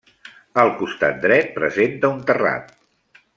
El costat dret presenta un terrat.